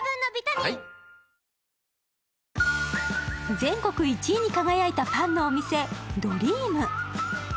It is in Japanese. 全国１位に輝いたパンのお店、ドリーム。